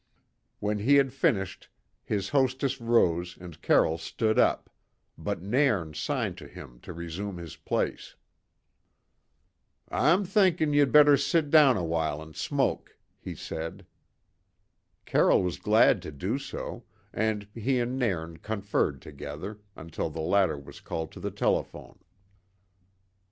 When he had finished, his hostess rose and Carroll stood up, but Nairn signed to him to resume his place. "I'm thinking ye had better sit still a while and smoke," he said. Carroll was glad to do so, and he and Nairn conferred together, until the latter was called to the telephone.